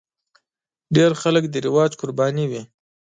ډېر خلک د رواج قرباني وي.